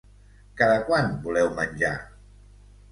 Cada quant voleu menjar?